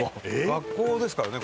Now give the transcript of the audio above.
学校ですからね